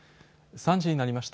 ３時になりました。